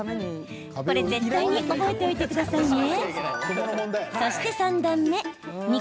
これ絶対に覚えておいてくださいね。